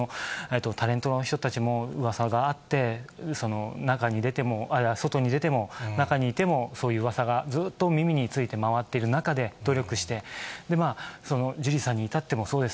タレントの人たちもうわさがあって、中に出ても、外に出ても、中にいてもそういううわさがずっと耳について回ってる中で努力して、ジュリーさんに至ってもそうです。